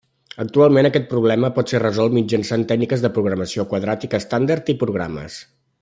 Actualment aquest problema pot ser resolt mitjançant tècniques de programació quadràtica estàndard i programes.